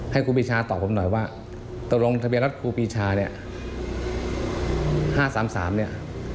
ให้ครูปรีชาตอบผมหน่อยว่าตรงทะเบียนรถครูปรีชานี่